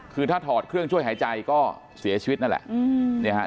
คือถ้าถอดเครื่องช่วยหายใจก็เสียชีวิตนั่นแหละ